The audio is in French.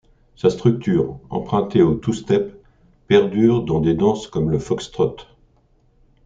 Sa structure, empruntée au two-step, perdure dans des danses comme le foxtrot.